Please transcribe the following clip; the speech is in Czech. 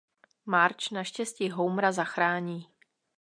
Marge naštěstí Homera zachrání.